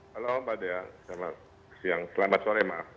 halo mbak dea selamat siang selamat sore maaf